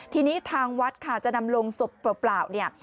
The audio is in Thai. ทีนี้ทางวัดค่ะจะนำลงศพเปล่าเนี่ย